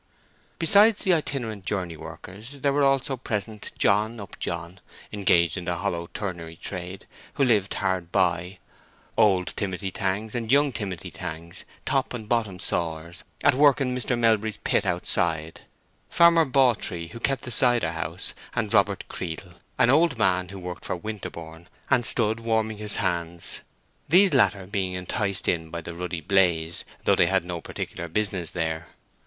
Besides the itinerant journey workers there were also present John Upjohn, engaged in the hollow turnery trade, who lived hard by; old Timothy Tangs and young Timothy Tangs, top and bottom sawyers, at work in Mr. Melbury's pit outside; Farmer Bawtree, who kept the cider house, and Robert Creedle, an old man who worked for Winterborne, and stood warming his hands; these latter being enticed in by the ruddy blaze, though they had no particular business there.